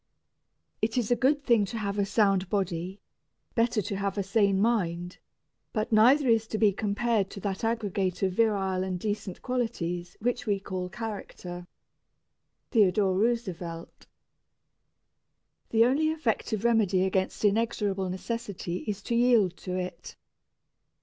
It is a good thing to have a sound body, better to have a sane mind, but neither is to be compared to that aggregate of virile and decent qualities which we call character. THEODORE ROOSEVELT. The only effective remedy against inexorable necessity is to yield to it.